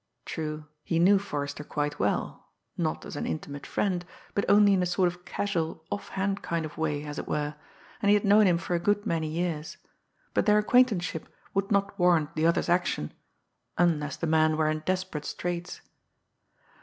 True, he knew Forrester quite well not as an intimate friend but only in a sort of casual, off hand kind of a way, as it were, and he had known him for a good many years; but their acquaintanceship would not warrant the other's action unless the man were in desperate straits.